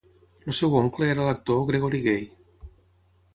El seu oncle era l'actor Gregory Gaye.